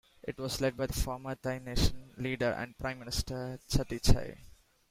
It was led by former Thai Nation leader and Prime Minister Chatichai.